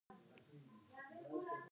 مصنوعي ځیرکتیا د انساني هڅو ملاتړ کوي.